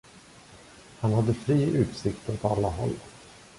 Han hade fri utsikt åt alla håll.